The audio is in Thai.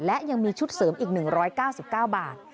และยังมีชุดเสริมอีก๑๙๙บาท